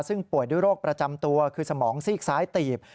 ซึ่งป่วยด้วยโรคประจำตัวคือสมองซีกซ้ายตีบ